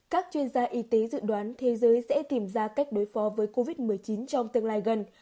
các chuyên gia y tế dự đoán thế giới sẽ tìm ra cách đối phó với covid một mươi chín trong tương lai gần